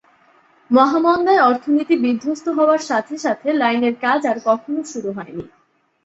মহামন্দায় অর্থনীতি বিধ্বস্ত হওয়ার সাথে সাথে লাইনের কাজ আর কখনও শুরু হয়নি।